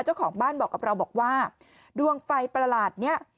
เจ้าของบ้านบอกกับเราบอกว่าดวงไฟประหลาดนี้